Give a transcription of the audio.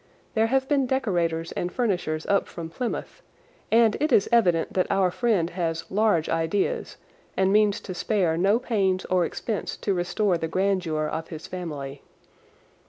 There have been decorators and furnishers up from Plymouth, and it is evident that our friend has large ideas and means to spare no pains or expense to restore the grandeur of his family.